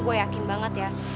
gue yakin banget ya